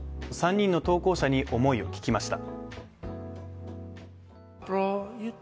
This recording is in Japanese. ３人の投稿者に思いを聞きました。